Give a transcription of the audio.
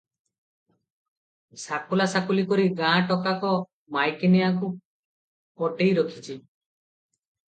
ସାକୁଲା ସାକୁଲି କରି ଗାଁ ଗୋଟାକ ମାଇକିନିଆଙ୍କୁ ପଟେଇରଖିଛି ।